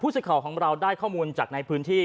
สิทธิ์ของเราได้ข้อมูลจากในพื้นที่